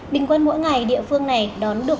bình quân mỗi ngày địa phương này đón được